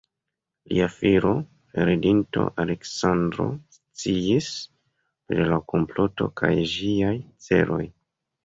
Lia filo, heredinto Aleksandro sciis pri la komploto kaj ĝiaj celoj.